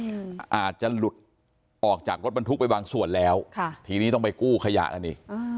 อาจจะหลุดออกจากรถบรรทุกไปบางส่วนแล้วค่ะทีนี้ต้องไปกู้ขยะกันอีกอืม